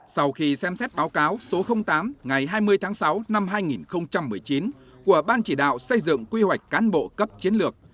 sau khi xem xét báo cáo số tám ngày hai mươi tháng sáu năm hai nghìn một mươi chín của ban chỉ đạo xây dựng quy hoạch cán bộ cấp chiến lược